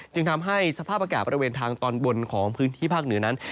จึงทำให้สภาพอากาศบริเวณทางตอนบนของพื้นที่ภาคเหนือนั้น